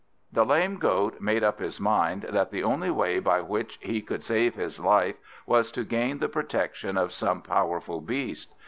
The lame Goat made up his mind that the only way by which he could save his life was to gain the protection of some powerful beast.